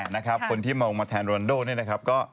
คนที่มาวางงงมาแทนโรนดองนี่นะครับ